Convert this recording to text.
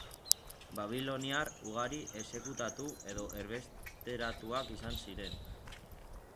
Babiloniar ugari, exekutatu edo erbesteratuak izan ziren.